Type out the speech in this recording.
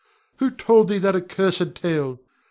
Who told thee that accursed tale?